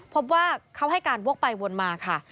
พบว่าเขาให้การวกไปวนมาค่ะ